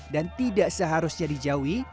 dan tidak seharusnya dijauhi